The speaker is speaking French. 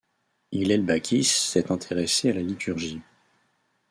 Hillel Bakis s’est intéressé à la liturgie.